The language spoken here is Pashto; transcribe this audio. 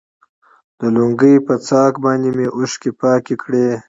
د لونگۍ په شف باندې مې اوښکې پاکې کړي.